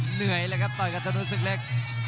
เหนื่อยเลยครับต่อยกับธนูศึกเล็ก